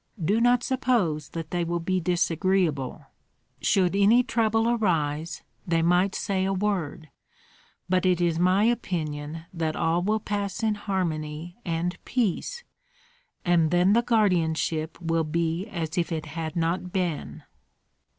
Do not suppose that they will be disagreeable. Should any trouble arise, they might say a word; but it is my opinion that all will pass in harmony and peace, and then the guardianship will be as if it had not been."